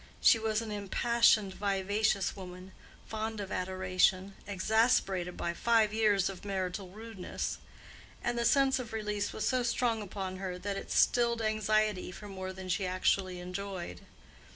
She was an impassioned, vivacious woman, fond of adoration, exasperated by five years of marital rudeness; and the sense of release was so strong upon her that it stilled anxiety for more than she actually enjoyed.